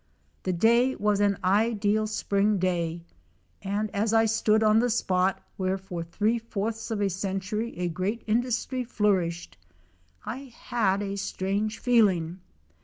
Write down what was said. The day was an ideal spring day, and as I stood on the spot where for three fourths of a century a great industry flourished I had a strange feeling.